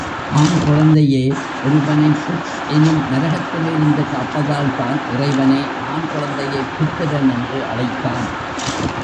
ஆண் குழந்தையே ஒருவனைப் புத் எனும் நரகத்திலிருந்து காப்பதால்தான் இறைவனே ஆண்குழந்தையைப் புத்திரன் என்று அழைத்தான்.